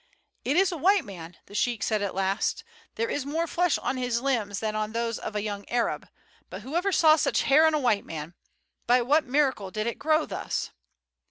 "It is a white man," the sheik said at last; "there is more flesh on his limbs than on those of a young Arab. But who ever saw such hair on a white man; by what miracle did it grow thus?"